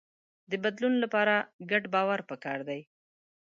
د بدلون لپاره ګډ باور پکار دی.